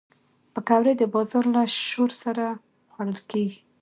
پکورې د بازار له شور سره خوړل کېږي